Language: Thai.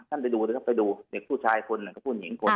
ท่านไปดูก็ไปดูเด็กผู้ชายคนก็ผู้หญิงคน